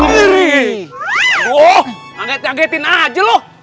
woh anget angetin aja loh